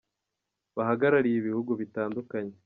bahagarariye ibihugu bitandukanye.